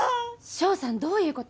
翔さんどういう事？